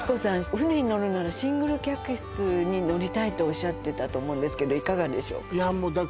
船に乗るならシングル客室に乗りたいとおっしゃってたと思うんですけどいかがでしょうか？